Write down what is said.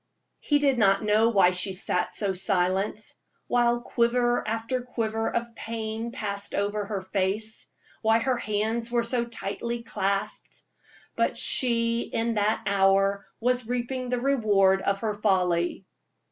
He did not know why she sat so silent, while quiver after quiver of pain passed over her face why her hands were so tightly clasped; but she in that hour was reaping the reward of her folly.